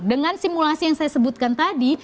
dengan simulasi yang saya sebutkan tadi